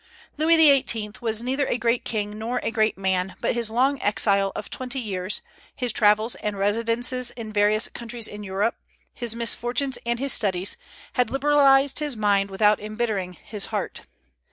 Louis XVIII. was neither a great king nor a great man; but his long exile of twenty years, his travels and residences in various countries in Europe, his misfortunes and his studies, had liberalized his mind without embittering his heart.